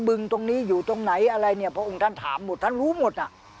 บึงตรงนี้อยู่ตรงไหนอะไรเนี่ยพระองค์ท่านถามหมดท่านรู้หมดอ่ะ